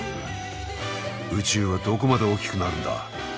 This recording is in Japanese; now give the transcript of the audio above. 宇宙はどこまで大きくなるんだ？